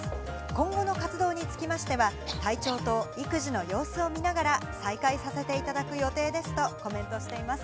今後の活動につきましては、体調と育児の様子を見ながら再開させていただく予定ですとコメントしています。